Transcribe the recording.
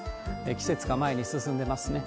季節が前に進んでますね。